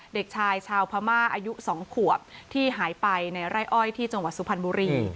เด็กชายชาวพม่าอายุ๒ขวบที่หายไปในไร่อ้อยที่จังหวัดสุพรรณบุรี